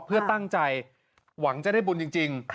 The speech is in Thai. เพื่อตั้งใจหวังจะได้บุญจริง